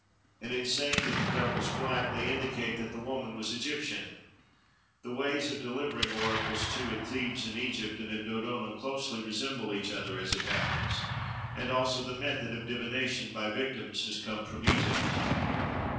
And in saying that the dove was black, they indicate that the woman was Egyptian. The ways of delivering oracles too at Thebes in Egypt and at Dodona closely resemble each other, as it happens, and also the method of divination by victims has come from Egypt.